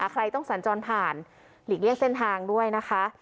ใครต้องสัญจรผ่านหลีกเลี่ยงเส้นทางด้วยนะคะ